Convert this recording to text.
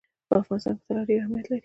په افغانستان کې طلا ډېر اهمیت لري.